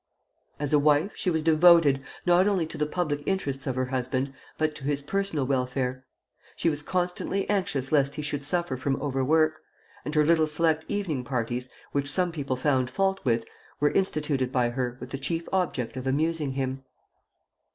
As a wife she was devoted, not only to the public interests of her husband, but to his personal welfare. She was constantly anxious lest he should suffer from overwork; and her little select evening parties, which some people found fault with, were instituted by her with the chief object of amusing him.